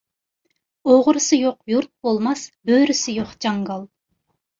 ئوغرىسى يوق يۇرت بولماس، بۆرىسى يوق جاڭگال.